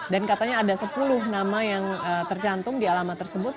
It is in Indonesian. dan katanya ada sepuluh nama yang tercantum di alamat tersebut